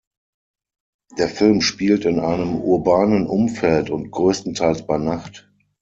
Der Film spielt in einem urbanen Umfeld und größtenteils bei Nacht.